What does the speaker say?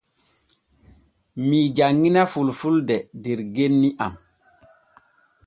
Mii janŋina fulfulde der genni am.